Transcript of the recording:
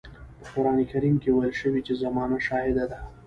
په قرآن کريم کې ويل شوي چې زمانه شاهده ده.